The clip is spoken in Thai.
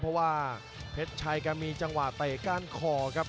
เพราะว่าเพชรชัยแกมีจังหวะเตะก้านคอครับ